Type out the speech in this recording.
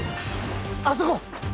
あそこ！